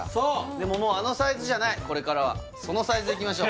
でももうあのサイズじゃないこれからはそのサイズでいきましょう